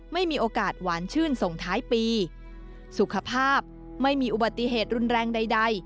ไม่มีโอกาสหวานชื่นส่งท้ายปีสุขภาพไม่มีอุบัติเหตุรุนแรงใด